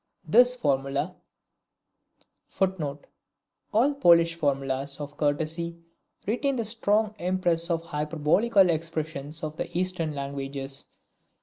This formula [Footnote: All the Polish formulas of courtesy retain the strong impress of the hyperbolical expressions of the Eastern languages.